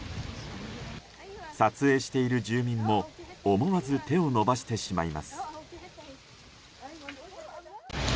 撮影している住民も思わず手を伸ばしてしまいます。